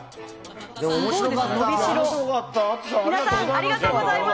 ありがとうございます。